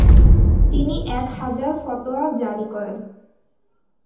তিনি এক হাজার ফতোয়া জারি করেন।